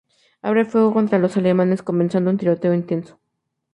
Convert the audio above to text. Abren fuego contra los alemanes, comenzando un tiroteo intenso.